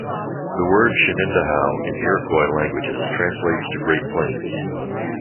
The word "Shenendahowe" in Iroquois languages translates to Great Plains.